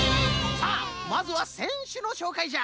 さあまずはせんしゅのしょうかいじゃ！